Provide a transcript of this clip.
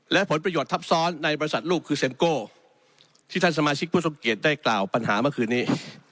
และผลประโยชน์ทับซ้อนในบริษัทลูกคือเซ็มโก้ที่ท่านสมาชิกผู้ทรงเกียจได้กล่าวปัญหาเมื่อคืนนี้